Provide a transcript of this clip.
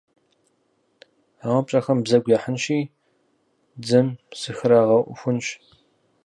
А уэ пщӏэхэм бзэгу яхьынщи, дзэм сыхрагъэхунщ.